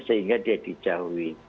sehingga dia dijauhi